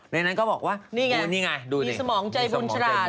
ในนั้นก็บอกว่านี่ไงมีสมองใจบุญชราติ